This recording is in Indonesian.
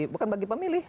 bukan bagi pemilih